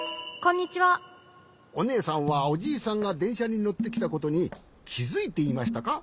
おねえさんはおじいさんがでんしゃにのってきたことにきづいていましたか？